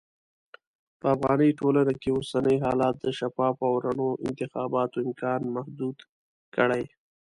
په افغاني ټولنه کې اوسني حالات د شفافو او رڼو انتخاباتو امکان محدود کړی.